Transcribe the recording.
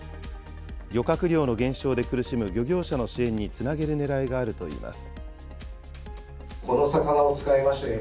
漁獲量の減少で苦しむ漁業者の支援につなげるねらいがあるといいます。